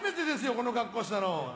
この格好したの。